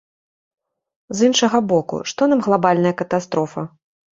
З іншага боку, што нам глабальная катастрофа?